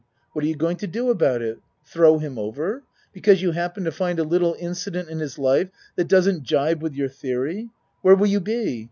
What are you going to do about it? Throw him over because you happen to find a little incident in his life that doesn't jibe with your theory? Where will you be?